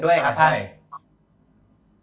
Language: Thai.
แม้มีเหตุผลไหมค่ะต่อเร็กเซศ๓เดือนด้วย